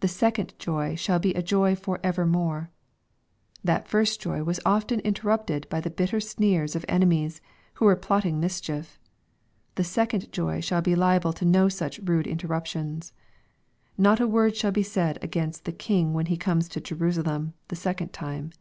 The second joy shall be a joy for evermore. — That first joy was often interrupted by the bitter sneers of enemies, who were plotting mischief. The second joy shall be liable to no such rude interruptions. Not a word shall be said against the King when He comes to Jerusalem the second time.